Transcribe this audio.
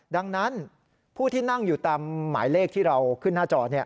ดังนั้นผู้ที่นั่งอยู่ตามหมายเลขที่เราขึ้นหน้าจอ